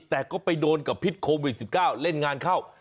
แต่ก็ไปโดนกับพิษโควิด๑๙เล่นงานเข้า